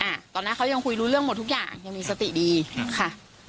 อ่าตอนนั้นเขายังคุยรู้เรื่องหมดทุกอย่างยังมีสติดีอืมค่ะ